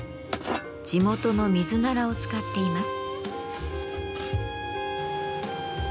地元のミズナラを使っています。